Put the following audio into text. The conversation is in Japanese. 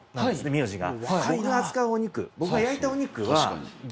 名字が。